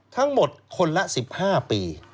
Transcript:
ทั้งหมดคนละ๑๕ปี